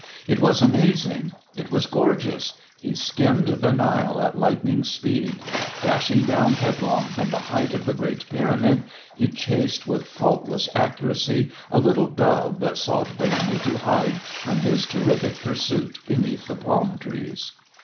It was amazing, it was gorgeous. He skimmed the Nile at lightning speed. Dashing down headlong from the height of the great Pyramid, he chased with faultless accuracy a little dove that sought vainly to hide from his terrific pursuit beneath the palm trees.